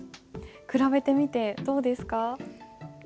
比べてみてどうですか？